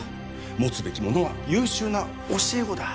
持つべきものは優秀な教え子だ